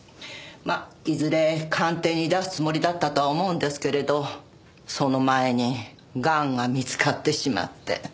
まあいずれ鑑定に出すつもりだったとは思うんですけれどその前にがんが見つかってしまって。